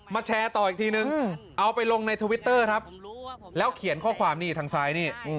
แชร์ต่ออีกทีนึงเอาไปลงในทวิตเตอร์ครับแล้วเขียนข้อความนี่ทางซ้ายนี่